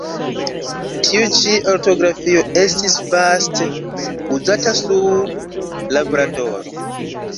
Tiu ĉi ortografio estis vaste uzata sur Labradoro.